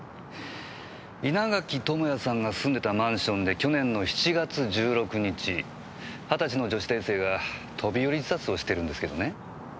稲垣智也さんが住んでたマンションで去年の７月１６日２０歳の女子大生が飛び降り自殺をしてるんですけどね。